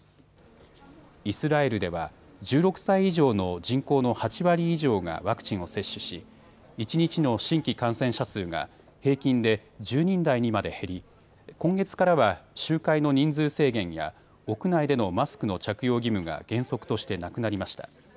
イスラエルでは１６歳以上の人口の８割以上がワクチンを接種し一日の新規感染者数が平均で１０人台にまで減り今月からは集会の人数制限や屋内でのマスクの着用義務が原則としてなくなりました。